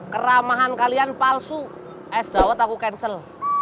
keramahan kalian palsu es dawet aku cancel